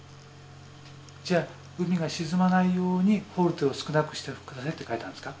じゃあ海が沈まないようにフォルテを少なくして下さいって書いたんですか？